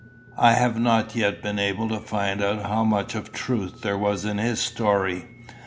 I have not yet been able to find out how much of truth there was in his story.